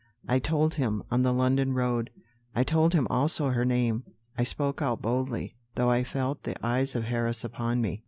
"I told him, on the London road; I told him also her name. I spoke out boldly, though I felt the eyes of Harris upon me.